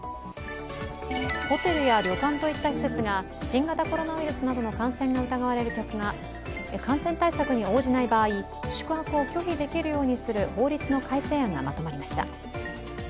ホテルや旅館といった施設が新型コロナウイルスなどの感染が疑われる客が感染対策に応じない場合宿泊を拒否できるようにする法律の改正案がまとまりました。